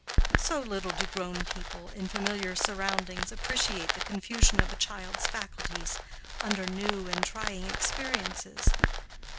So little do grown people, in familiar surroundings, appreciate the confusion of a child's faculties, under new and trying experiences.